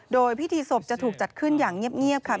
โดยพิธีศพจะถูกจัดขึ้นอย่างเงียบค่ะ